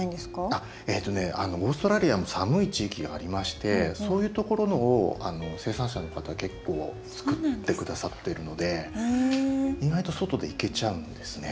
あっえとねオーストラリアも寒い地域がありましてそういうところのを生産者の方結構作って下さってるので意外と外でいけちゃうんですね。